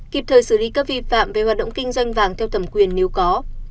kịp thời xử lý các vi phạm về hoạt động kinh doanh vàng theo thẩm quyền nếu có